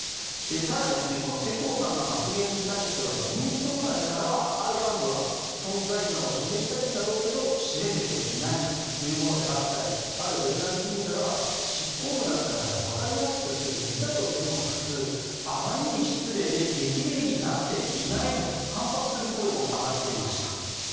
ただ、世耕さんの発言に対しては自民党内からはある幹部は存在感を示ししたいんだろうけど示せていないであったりあるベテラン議員からは執行部なんだからわかりやすく手伝いをするのが普通あまりに失礼で激励になっていないと反発する声も上がっていました。